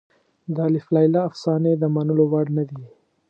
د الف لیله افسانې د منلو وړ نه دي.